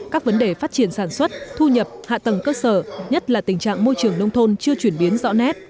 các vấn đề phát triển sản xuất thu nhập hạ tầng cơ sở nhất là tình trạng môi trường nông thôn chưa chuyển biến rõ nét